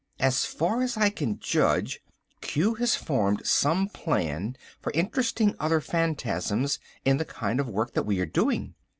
As far as I can judge, Q has formed some plan for interesting other phantasms in the kind of work that we are doing.